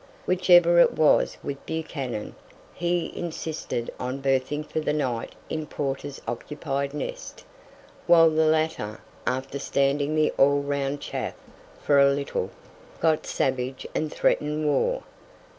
Whichever it was with Buchanan, he insisted on berthing for the night in Porter's occupied nest, while the latter, after standing the all round chaff for a little, got savage and threatened war.